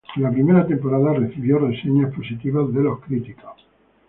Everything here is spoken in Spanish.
La primera temporada recibió reseñas positivas de los críticos.